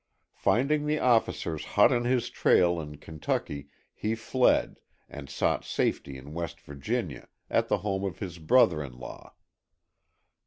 Finding the officers hot on his trail in Kentucky he fled, and sought safety in West Virginia, at the home of his brother in law.